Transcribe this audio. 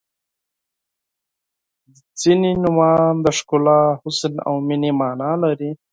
• ځینې نومونه د ښکلا، حسن او مینې معنا لري.